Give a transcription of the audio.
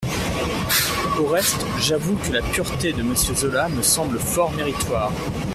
Au reste, j'avoue que la pureté de Monsieur Zola me semble fort méritoire.